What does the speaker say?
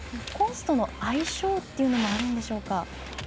コースとの相性というのもあるんでしょうか。